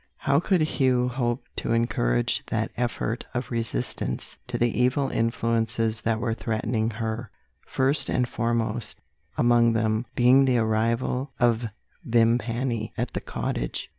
How could Hugh hope to encourage that effort of resistance to the evil influences that were threatening her first and foremost, among them, being the arrival of Vimpany at the cottage?